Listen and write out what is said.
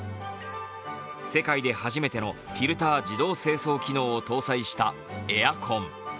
世界で初めてのフィルター自動清掃機能を搭載したエアコン。